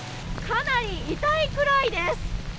かなり痛いくらいです。